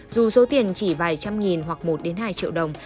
dù số tiền chỉ vài trăm nghìn hoặc một hai triệu đồng